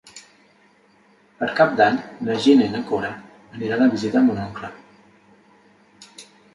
Per Cap d'Any na Gina i na Cora aniran a visitar mon oncle.